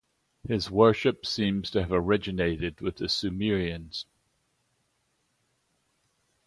His worship seems to have originated with the Sumerians.